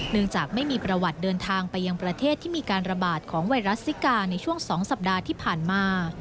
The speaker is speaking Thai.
จากไม่มีประวัติเดินทางไปยังประเทศที่มีการระบาดของไวรัสซิกาในช่วง๒สัปดาห์ที่ผ่านมา